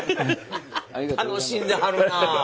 楽しんではるな！